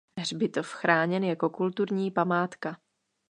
Hřbitov chráněn jako kulturní památka.